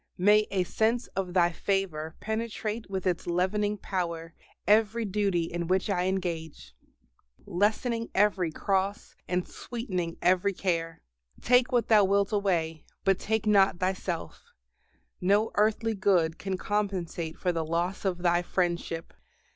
may a sense of Thy favor penetrate with its leavening power every duty in which I engage, lessening every cross and sweetening every care. Take what Thou wilt away, but take not Thyself; no earthly good can compensate for the loss of Thy friendship.